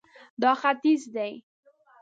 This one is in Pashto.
دا ختیځ دی